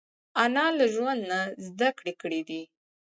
انا له ژوند نه زده کړې کړې دي